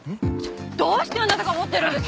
どうしてあなたが持ってるんです！？